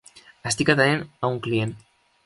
Estic atenent a un client.